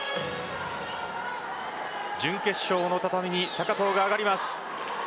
準決勝の畳に高藤が上がります。